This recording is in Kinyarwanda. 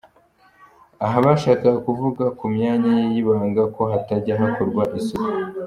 Aha bashakaga kuvuga ku myanya ye y’ibanga ko hatajya hakorerwa isuku !!!